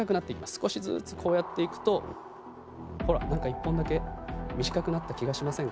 少しずつこうやっていくとほら何か１本だけ短くなった気がしませんか？